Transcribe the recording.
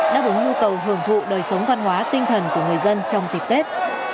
đáp ứng nhu cầu hưởng thụ đời sống văn hóa tinh thần của người dân trong dịp tết